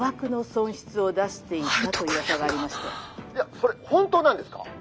「それ本当なんですか？」。